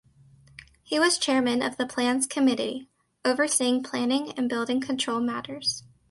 He was Chairman of the Plans Committee (overseeing Planning and Building Control matters).